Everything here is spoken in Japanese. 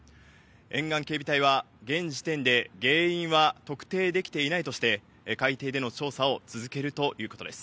沿岸警備隊は現時点で原因は特定できていないとして、海底での調査を続けるということです。